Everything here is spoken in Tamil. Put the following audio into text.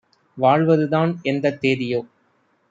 வாழ்வதுதான் எந்தத் தேதியோ?